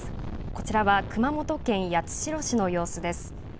こちらは熊本県八代市の様子です。